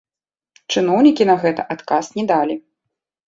Чыноўнікі на гэта адказ не далі.